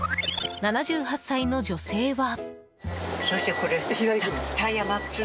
７８歳の女性は。